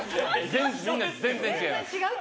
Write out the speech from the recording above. ・全然違う！